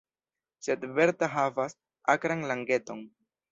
Sed Berta havas akran langeton.